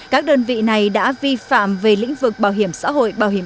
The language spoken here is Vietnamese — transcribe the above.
các đơn vị này đã vi phạm về lĩnh vực bảo hiểm xã hội